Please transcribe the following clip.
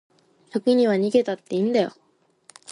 時には逃げたっていいんだよ